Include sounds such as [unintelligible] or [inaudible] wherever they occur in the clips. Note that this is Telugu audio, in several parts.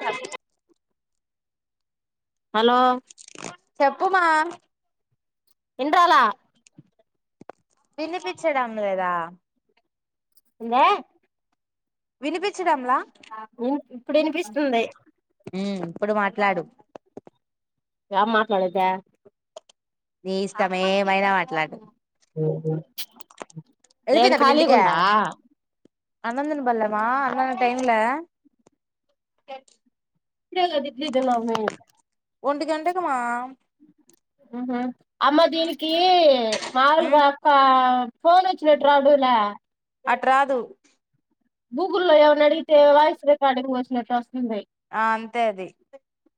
చప్పు హలో చెప్పుమా ఇన్రాలా. వినిపిచ్చడం లేదా? ఎందె వినిపిచ్చడంలా ఊ ఇప్పుడు వినిపిస్తుంది. ఉమ్ ఇప్పుడు మాట్లాడు. యాం మాట్లాడేదె? నీ ఇష్టం ఏమైనా మాట్లాడు ఏం ఖాళీ గుండా అన్నందిన బల్లే మా అన్న టైంలే ఇప్పుడే కదా ఇడ్లీ తిన్నాము మేము ఒంటి గంటకుమా ఊహు అమ్మ దీనికి ఉమ్ మాములుగా అక్క ఫోన్ వచ్చినట్ రావుడు లే అట్ రాదు గూగుల్ లో ఎవన్నా అడిగితే వాయిస్ రెకార్డింగ్ వచ్చినట్లు ఆ అంతే అది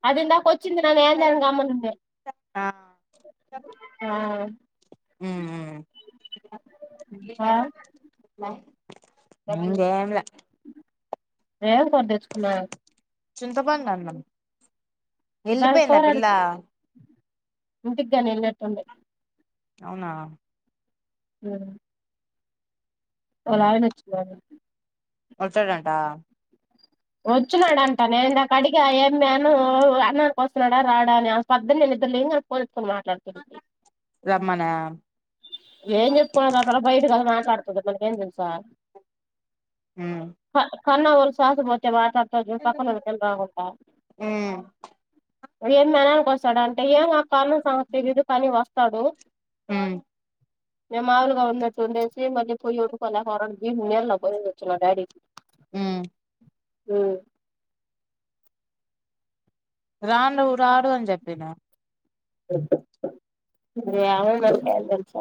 అది ఇందాకొచ్చింది నేను ఏంది అని గమ్మొనున్నా ఆ ఉమ్ ఉమ్ ఆ ఇంగేంలే ఏం కూర దెచ్చుకున్నా? చింతపడు అన్నం దాని వెళ్ళిపోయిందా పోరాడు పిల్ల ఇంటిగ్గాని వెళ్లెట్టుంటే అవునా హ్మ్ వాళ్ల ఆయనొచ్చినాడు. వచ్చాడంట వచ్చున్నాడంటా నేనిందాక అడిగా ఏమ్మే అన్నం అన్నానికి వస్తున్నాడా రాడాని పద్ద్దని అసలు కనుక్కోలే ఎత్కోని మాట్లాడుతుంటి రమ్మనా ఏం చెప్పుకున్నాదో ఆ పిల్ల బయట కదా మాట్లాడతది మనకేం తెలుసు మ్మ్ క కన్నా వాల్ సాకపోతే వా త్తది పక్కన వాళ్లకేం రాగుంట మ్మ్ ఏం ననానికి వస్తాడు అంటే ఏమో పని సమస్యలు [unintelligible] కానీ వస్తాడు. హ్మ్ నేను మాములుగా ఉండేత్ ఉండేసి ఈ మద్య పోయ్యి ఉండిపోలే కూర వండేసి నీళ్లు పోయ్యొచ్చినా డాడీకి మ్మ్ ఉమ్ రాను రారు అని జెప్పిన ఏమో మరి ఏం తెల్సా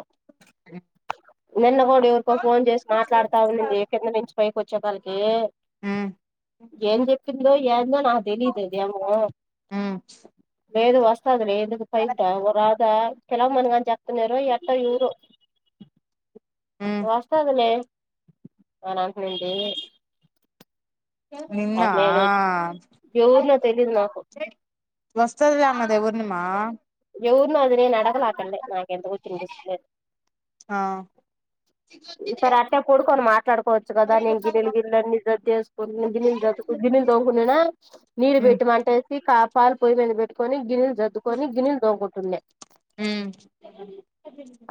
అ నిన్న కూడా ఎవర్కో ఫోన్ చేసి మాట్లాడ్తా ఉనింది కింద నుంచి పైకి వచ్చే కాల్కి మ్మ్ ఏం చెప్పిందో ఏందో నా తెలిదు అదేమో ఉమ్ లేదు వస్ [unintelligible] ఎదో ఉమ్ వస్తాది లే వాణి అనంటి నుండి నిన్న ఎవరినో తెలీదు నాకు వస్తది లే అమ్మ దేవుఊరిమా ఎవర్నో అది నేను అడగాలా ఆ పిల్లని నక్ ఎందుకు వచ్చిన జస్ నాద్ ఆ ఈ సారి అట్నే పోడుకొని మాత్ కోవచ్చు కదా నేను గిన్నెలు గిల్ జేసుకుని గిన్నీళ్ళు తొమ్ముకునన నీరు ఉమ్ పెట్టు వంటేసి కాపలు పొయ్యి మీద పెట్టుకొని గిన్నెలు దద్దుకొని గిన్నెలు దోముకుంటున్న ఉమ్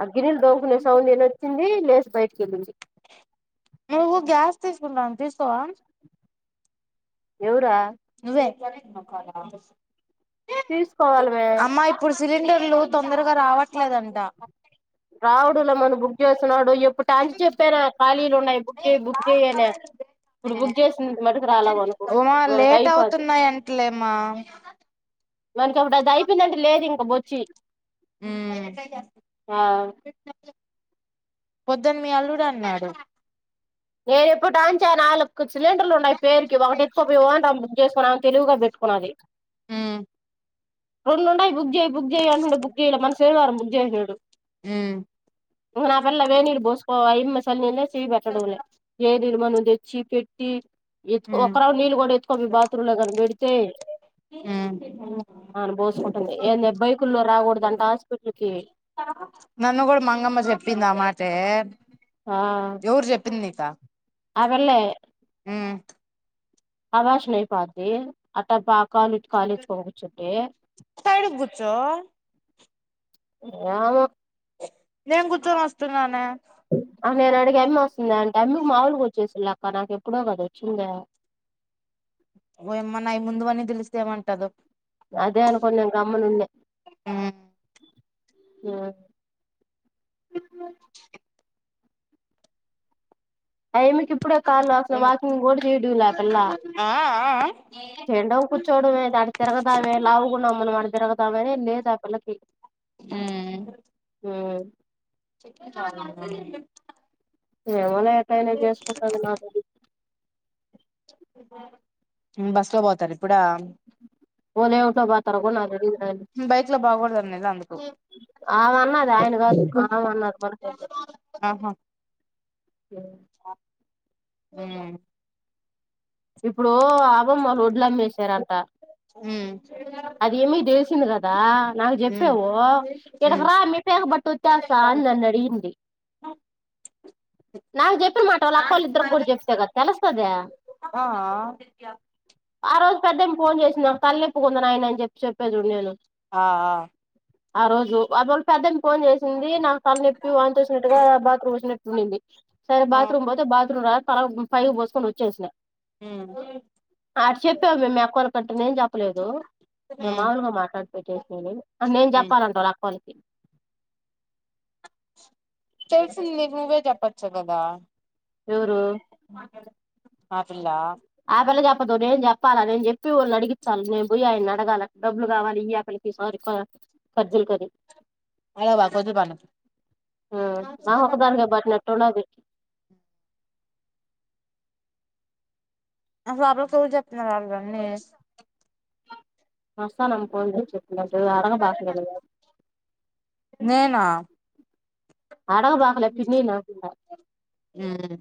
ఆ గిన్నెలు దోముకునే సౌండ్ ఇనొచ్చింది లేసి బయటికేళ్ళింది నువ్వు గ్యాస్ తీసుకుంటా తీసుకోవా ఎవరా నువ్వే తీసుకోవాలి మే అమ్మా ఇప్పుడు సిలిండర్లు తొందరగా రావట్లేదంట రావుడంలే మనం బుకె చేసినాడ్ ఎప్పుటి కంచి చెప్పారా ఖాళీలు ఉన్నాయ్ బుక్ చేయ్ బుక్ చే య్ అన ఇప్పుడు బుక్ చేసింది ఇప్పటి మట్టుకు రాలా మనకు ఉమా మనకు లేట్ అయిపోద్దు అవుతున్నాయం ట్లేమా మనకి అప్పుడు అది అయిపోయిందంటే లేదు ఇంక బొచ్చి ఆ పొద్దున్న మీ అల్లుడు అన్నాడు నేను ఎప్పుడు అంచా నాలుగు సిలిండర్లు ఉన్నాయ్ పేరుకి ఒకటి ఓంటం చేసుకు తెలువుగా పెట్టుకునాలి హుమ్ రెండు ఉండయ్ బుక్ చేయ్యి బుక్ చెయ్యి అంటంటే బుక్ చెయలే మొన్న శనివారం బుక్ చేసాడు ఉమ్ నా పిల్ల వేడి నీళ్లు పోసుకో అ యమ్మ చలి నీళ్లు అయి చెయ్యి పెట్టడంలే చేదీలు మనం తెచ్చి పెట్టి ఎత్ ఉమ్ ఒకరౌడ్ నీళ్ళు కూడా ఎత్తుకో బాత్రూమ్ లో కని పెడితే ఉమ్ అవును పోసుకుంటుంది ఏ బైకుల్లో రాకూడదు అంట హాస్పిటల్ కి మొన్న కూడా మంగమ్మ చెప్పింది అమాటే ఆ ఎవరు చెప్పింది నీకా ఆ పిల్లే మ్ అబోషనై పోద్ది అట్టా పా ఆ కాలు ఇటు కాలేసుకొని కుర్చుంటే సైడ్ కుర్చో ఏమో నేను కూర్చొని వస్తున్నానే ఆ నేను అడిగిే అమ్మ వస్తుంద అంటే అమ్మికి మాముూలుగ వచ్చేసళ్ళలక్క నాకేప్పుడో కదా వచ్చిందా ఓ యమ్మ నయ్ ముందు పన్నాయ్ తెలిస్తే ఏమంటదో అదే అనుకొని నిన్ గమ్మున ఉన్నాే ఆ అయమ్మికి ఇప్పుడే కాళ్ళు వాసిన వాకింగ్ కూడా చేయడులా అ పిల్లా ఆ ఆ ఎండకు కూర్చోడమే అటు తిరుగుదామే లావుగున్నావామ్మ నువ్ అడ్ తిరుగుతావని లే స పిల్లకి మ్మ్ హుం చెాల ఏమో లే [unintelligible] టైనా చేసుకుంటంది నాకు తెలియదు బస్ లో పోతార ఇప్పుడ పోనేవారితొ పాతరో కుడ నాకు తెలియదు గాని బైక్ లో బాగూడదు అన్నది అందుకు ఆవన్నది ఆయన కాదు అవన్నది మనకేం ఆహా కే హ్మ్ ఇప్పుడు ఆవమ్మ రోడ్లు అమ్మేసారంట ఉమ్ అది ఏమి డేసిన్ కదా నాకు ఉమ్ చెప్పేవు ఇక్కడకి ఉమ్ రా మీ పేక పట్టు వచ్చస్తా అని అని నన్ను అడిగింది అ నాకు చెప్పిన మాట వాళ్ళ అక్కోళ్ళ ఇద్దరికీ కూడా చెప్తే కదా తెలుస్తది ఆ ఆ రోజు పెద్దేమి ఫోన్ చేసిినా తలనొప్పిగా ఉంది నయినా అని చెప్పి చెప్పే చూడు నేను ఆ ఆ ఆ రోజు అ వాళు పెద్దని ఫోన్ చేసింది నాకు తల్ నొప్పి, వాంతూ వచ్చినట్టుగా, బాత్రూమ్ వచ్చినట్టు ఉండింది. సరే ఆ బాత్రూమ్ పోతే, బాత్రూమ్ రా తల పైవ్ పోసుకొని వచ్చేసినా ఉమ్ అటు చెప్పా మే మీ అక్కొల్ల కి అంటే నేన్ చెప్పలేదు మే ఉమ్ మాముూలుగా మాట్లాడి పెట్టేసేది ఉమ్ తెల్సింది నీకు నువ్వే జప్పచ్చు కదా ఎవరు ఆ పిల్లా ఆ పిల్ల చెప్పదు నేను చెప్పాలా నేన్ చెప్పి వాళ్ళు అడిగించాలి, నేను పోయి ఆయన నీ అడగాల డబ్బులు కావాలి ఈయి ఆ పిల్ల. ఈ సారి కా కర్జుల కని అలా బాకు వద్దు బాను ఆ ఒక ఒకదానికి బట్ నట్ ఉండాది అసలు ఆ పిల్లకి ఎవరు చెప్తున్నారు అలగా అన్నీ మస్తానమ్మకు [inaudible] అడగబాక [inaudible] నా అడగబాకలే పిన్నీని అంటుండా ఉమ్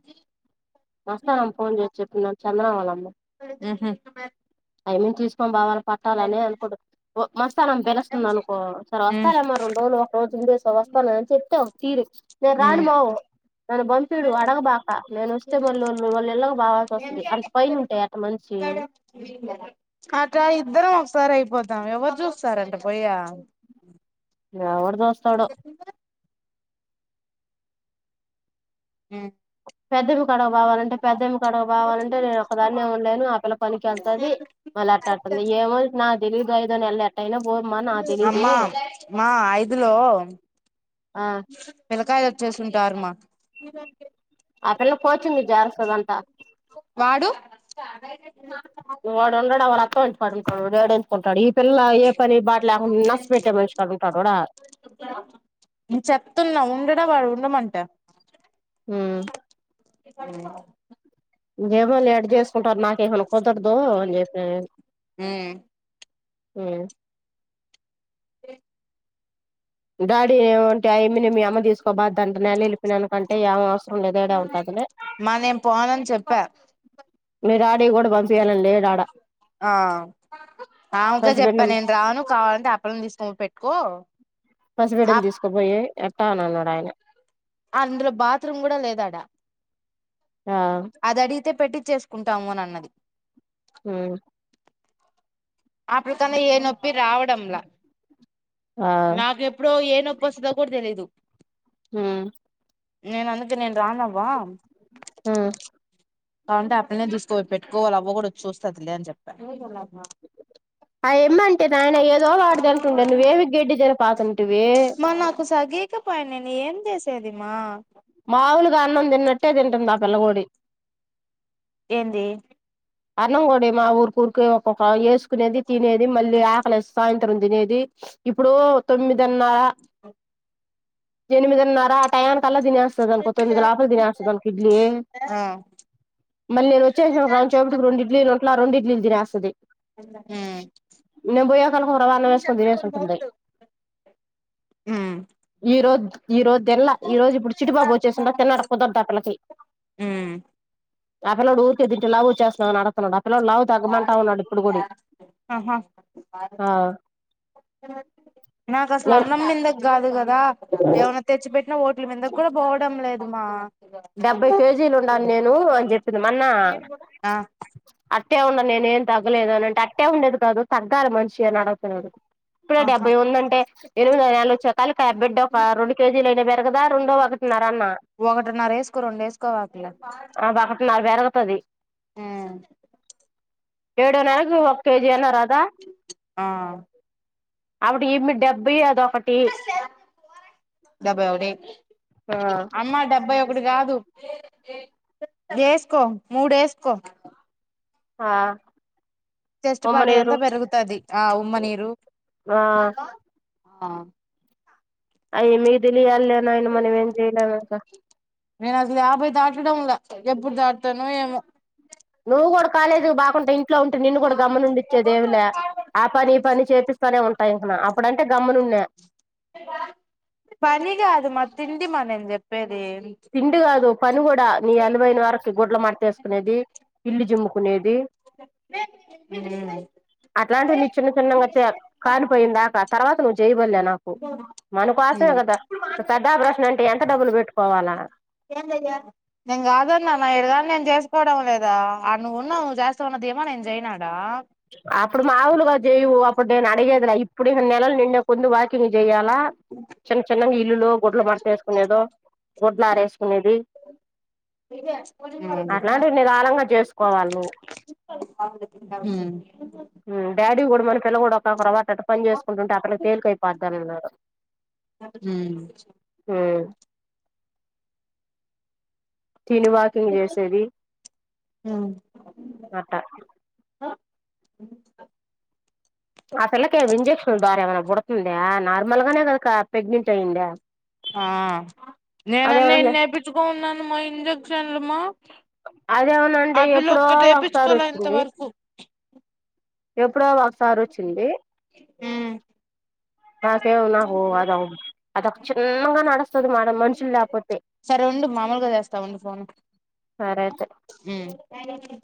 మస్తానమ్మ ఫోన్ చేసి చెప్పిందంట చంద్రా వాళ్ళమ్మ ఉహు ఆ యమ్మి తీసుకోం బొవాలి పట్టాలని అనుకోడు మస్తానమ్మ పిలస్తుంది అనుకో సరే ఉమ్ వస్తాలే మా రెండు రోజులో ఒక రోజు ఉండేసో వ [unintelligible] చెప్తే ఒక తీరు నేను రాను మోవ్ ఉమ్ నన్ను పంపీడు అడగబాక నేనొస్ పైన ఉంటే అట్ట మనిషి ఆ ట్రై ఇద్దరం ఒకసారి అయిపోతాం ఎవరు చూస్తారంట పోయ్య ఎవరు జూస్తాడో ఊ పెద్దమ్మి కాడకు బోవాలంటే పెద్దమ్మి కాడకు బోవాలంటే నేను ఒక్కదాన్నే ఉండలేను ఆ పిల్ల పనికి వెళ్తాది మళ్ళీ అట్ట మి ఏమో నాకు తెలీదు ఐదో నెలలో ఎట్టైనా పోమ్మా నాకు తెలీదు ఆ పిలకాయలు వచ్చేసింటారు మా ఆ పిల్ల కోచింగు జారస్తదంట వాడు ఓడుండడు వాళ్ళ అత్తోళ్ళింటికాడ ఉంటాడు [inaudible] ఎందుకుంటాడు ఈ పిల్ల ఏ పని బాట లేకుంట నసపెట్టే మనిషికాడుంటాడోడా నేను చెప్తున్నా ఉండడా వాడు ఉండమంటే ఊ ఊ ఏమో లే ఎట్ట చేసుకుంటారు నాకే [inaudible] కుదరదు అని చెప్పినా ఉమ్ నేను ఊ తే ఉగాడి ఏమని మీ అమ్మ తీసుకోబాద్దంటే నేను వెళ్ళపోనానుకంటే ఏమవసరం లేదు ఈడే ఉంటాదిలే మా నేను పోనని చెప్పా మీ డాడీకి కూడా పంపీయాలని లేడు ఆడ ఆ ఆమెకే పసిబిడ్డ చెప్పా నేను రాను కావాలంటే ఆ పిల్ల ని తీసుకోని పెట్టుకో ఆ పసిబిడ్డని తీసుకపోయి ఎట్టా అని అన్నాడు ఆయన అందులో బాత్రూమ్ కూడా లేదాడా ఆ అది అడిగితే పెట్టి చ్చేసుకుంటాము అని అన్నది మ్మ్ హ్ అప్పుటికన్నా ఏ నొప్పి రావడంలా ఆ నాకు ఎప్పుడో ఏ ప్పి వస్తదో కూడా తెలియదు హ నేను అందుకనే నేను రానవ్వ హా కాకుంటే ఆ పిల్లనే తీసుకో పెట్టుకో వాళ్ళ అవ్వ కూడా వచ్చి చూస్తదిలే అని చెప్తా అ ఏమ్మంటే ఆయన ఏదో వాడిదంటుండే నువ్వ ఏవి గడ్డి తిని పోతింటివి ఇక పై నేనేం చేసేది మా మాములుగా అన్నం తిన్నట్టే తింటుంది ఆ పిల్లగూడా ఏంది అన్నం కూడా మా ఉరుకూరికే ఓక్క వేసుకునేది తినేది మళ్ళీ ఆ అలా సాయంత్రం తినేది ఇప్పుడు తొమ్మిదిన్నర ఎనిమిదిన్నర ఆ టైయానికి తలా తినేస్తాది అనుకో త్తొమ్ది లోపల తినేస్తది అనుకో ఇడ్లీ ఆ మళ్ళీ నేను వచ్చేసిన కొంచేపటికి రెండు ఇడ్లీలు ఉండ్ల ఆ రెండు ఇడ్లీలు తినేస్తది ఉమ్ నేను పోయనానుకొని అన్నం వేసుకొని తినేసింటుంది ఉమ్ ఈ రోజు ఈ రోజు తిన్ల ఈ రోజు ఇప్పుడు చిట్టిబాబు వచ్చేసిండు తినడం కుదరదు ఆ పిల్లకి ఉమ్ ఆ పిల్లోడు ఊర్కే తింటే లావ్ వచ్చేస్తున్నావు అని అడక్క ఆహా ఆ నాకు అసలు నేను అన్నంతినబుద్ది కాదు కదా ఏమన్న తెచ్చి పెట్టినా ఓట్ల మింగకుండా పోవడం లేదుమా డెబ్బై కేజీలు ఉండను నేను అని చెప్పింది మొన్న అ ఆ అట్టే ఉండ నేను ఏం తగ్గలేదు అనింటే అట్టే ఉండేది కాదు తగ్గాలి మంచి గా అడుగుతున్నాడు ఇప్పుడే ఆహా డెబ్బై ఉందంటే ఎనిమిదొ నెల వచ్చే తలకు వెయిట్ రెండు కేజీలు అయినా పెరుగదా రెండు ఒకటిన్నారా అన్న ఇంకా రెండేస్కోవాలే ఇగ నాది పెరుగుతది మ్మ్ ఏడో నెలకు ఒక కేజీ అన్న రాదా ఆ అప్పుడు ఇమె డెబ్బై అఐదో ఒకటి డెబ్బై ఒకటి అమ్మా డెబ్బై ఒకటి కాదు ఎస్కో మూడు ఎస్కో ఆ చెస్ట్ పార్ట్ ది ఉమ్మనీరు అంతా పెరుగుతది ఆ ఉమ్మ నీరు ఆ ఆ అవ్వి మీకు తెలియాలి లే నాయన మనం ఏం చేయలేం ఇంక నేను అసలు యాభై దాటిడంలే ఎప్పుడు దాటుతానో ఏమో నువ్వు కూడా కాలేజీ పొకుంటె ఇంట్లో ఉంటే నిన్ను కూడా గమనించి ఉండేది ఎమ్లె ఆ పని ఈ పని చేపిస్తానే ఉంటాయి ఇంక అప్పుడంటే గమ్మున ఉన్న పనీ గాదు మా తిండి మా నేను చెప్పేది తిండి కాదు పని కూడా నీ ఎనభైయిన వరకు గుడ్డలు మాడతా ఏస్కునేది ఇల్లు జిమ్ముకునేది అట్లాంటివి నీ చిన్న చిన్నంగాతే కానిపోయిందాకా తర్వాత ను వల్లే నాకు మనకోసమే కదా పెద్ద ఆపరేషన్ అంటే ఎంత డబ్బులు పెట్టుకోవాలా నేను కాదన్న నా ఏలాగు నేను చేసుకోవడం లేదా ఆడ నువ్వు ఉన్నావు నువ్వు చేస్తావన్న దీమా ఏమో నేను చెయ్యనటా అప్పుడు మాముూలుగా చేయవు అప్పుడు నేను అడిగేదిలా ఇప్పుడు ఇక నెలలు నిండక ముందు వాకింగ్ చెయ్య చిన్న చిన్నంగ ఇల్లులు గుడ్డలు మడతేసుకునేదో గుడ్డలు ఆరేసు కునేది [unintelligible] చేసుకోవాలి నువ్వు హ్మ్ డాడీ కూడా మన పిల్ల కూడా ఒక్కవాత అట్ట పని చేసుకుంటుంటే ఆ పిల్ల కి తేలికై పోద్దని అన్నాడు హ్మ్ తిని వాకింగ్ చేసేది అట్ట అ పిల్లకి ఇంజెక్షన్స్ ద్వారా ఏమైనా పుడుతుందా నార్మల్ గానే కద ప్రెగ్నెంట్ అయ్యింది ఆ నేనన్న ఎన్ని ఎపిచ్చుకోన్నాను మా ఇంజక్షన్లు మా అదేమనంటే ఆ పిల్ల ఎప్పుడో ఒక్కటే ఒకసారి ఎపించుకోలే ఇంత వచ్చింది వరకు ఎప్పుడో ఒకసారి వచ్చింది నాకేమో నాకు అద అదొక చిన్నగా నడుస్తుది మేడం మనుషులు లేకపోతే సరే అయితే. హ్మ్